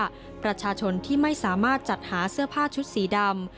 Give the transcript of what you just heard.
ประชาชนที่ไม่สามารถจัดหาเสื้อผ้าชุดสีดำ